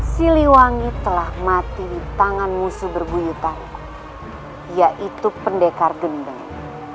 siliwangi telah mati di tangan musuh berbuyutan yaitu pendekar gendang